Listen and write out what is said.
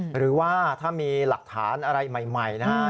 หรือว่าถ้ามีหลักฐานอะไรใหม่นะฮะ